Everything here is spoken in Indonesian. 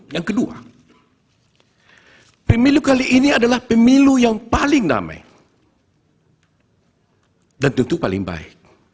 yang kedua pemilu kali ini adalah pemilu yang paling damai dan tutup paling baik